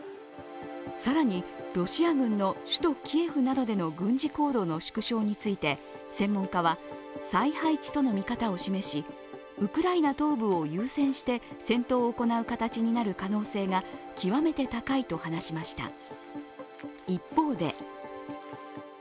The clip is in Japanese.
更に、ロシア軍の首都キエフなどでの軍事行動の縮小について専門家は、再配置との見方を示しウクライナ東部を優先して戦闘を行う形になる可能性が極めて高いと話しました。